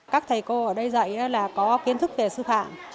các thầy cô ở đây dạy là có kiến thức về sư phạm